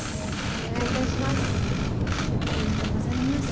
お願いいたします。